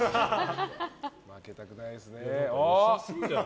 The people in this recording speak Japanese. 負けたくないですよね。